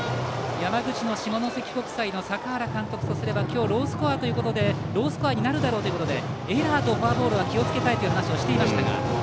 山口の下関国際の坂原監督とすれば今日はロースコアになるだろうということでエラーとフォアボールは気をつけたいという話をしていましたが。